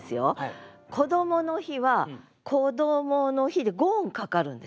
こどもの日は「こどもの日」で５音かかるんですよ。